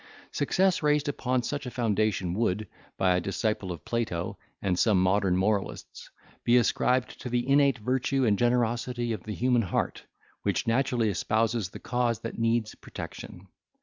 Success raised upon such a foundation would, by a disciple of Plato, and some modern moralists, be ascribed to the innate virtue and generosity of the human heart, which naturally espouses the cause that needs protection.